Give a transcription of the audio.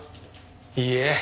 いいえ。